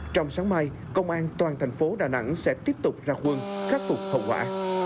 trong sáng mai công an toàn thành phố đà nẵng sẽ tiếp tục ra quân khắc phục hậu quả